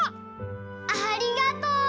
ありがとう！